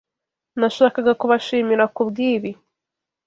Nashakaga kubashimira kubwibi.